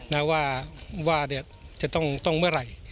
น่าว่าจะต้องเมื่อไหร่